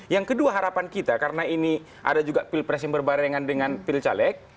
yang kedua harapan kita karena ini ada juga pilpres yang berbarengan dengan pil caleg